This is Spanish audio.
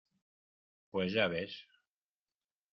pues ya ves.